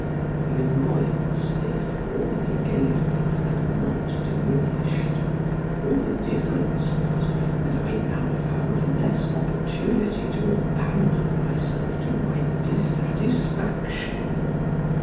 The annoyance they formerly gave me had not diminished; all the difference was, that I now found less opportunity to abandon myself to my dissatisfaction.